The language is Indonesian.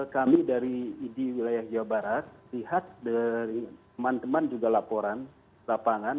kami dari idi wilayah jawa barat lihat dari teman teman juga laporan lapangan